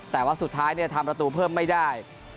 แต่ว่าสุดท้ายทำประตูเพิ่มไม่ได้